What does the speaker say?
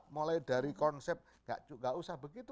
mulai dari konsep gak usah begitu